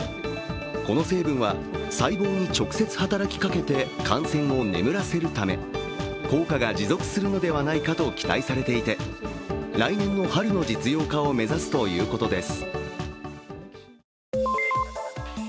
この成分は細胞に直接働きかけて汗腺を眠らせるため効果が持続するのではないかと期待されていて来年の春の実用化を目指すということです。